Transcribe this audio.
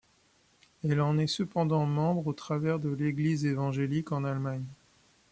Elle en est cependant membre au travers de l'Église évangélique en Allemagne.